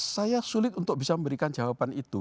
saya sulit untuk bisa memberikan jawaban itu